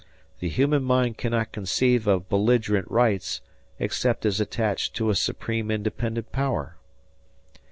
The human mind cannot conceive of belligerent rights except as attached to a supreme independent power.